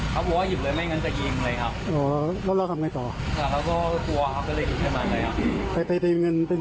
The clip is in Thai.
เขาบอกว่าหยุดเลยไม่งั้นจะยิงเลยครับ